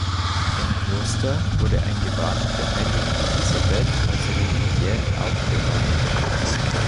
Im Kloster wurde ein Gewand der Heiligen Elisabeth als Reliquie aufbewahrt.